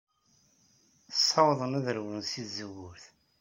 Ssawḍen ad rewlen seg tzewwut.